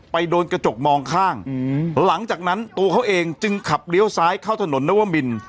โดนกระจกมองข้างหลังจากนั้นตัวเขาเองจึงขับเลี้ยวซ้ายเข้าถนนนวมิน